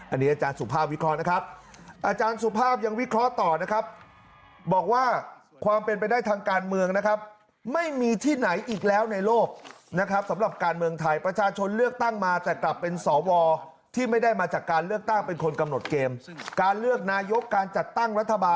อันนี้อาจารย์สุภาพวิเคราะห์นะครับอาจารย์สุภาพยังวิเคราะห์ต่อนะครับ